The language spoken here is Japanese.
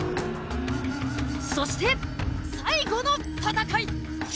そして最後の戦い！